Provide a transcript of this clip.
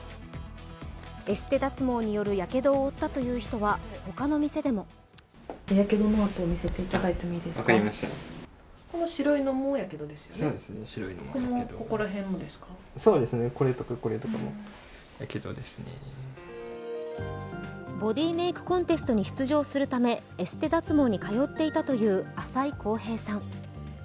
エステ脱毛によるやけどを負ったという人は他の店でもボディメイクコンテストに出場するためエステ脱毛に通っていたという浅井晃平さん。